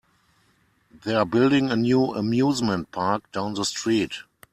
They're building a new amusement park down the street.